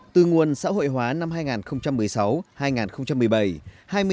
từ nguồn xã hội hóa năm hai nghìn một mươi sáu hai nghìn một mươi bảy